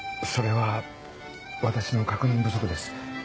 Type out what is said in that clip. それは私の確認不足です